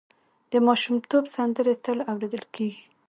د ماشومتوب سندرې تل اورېدل کېږي.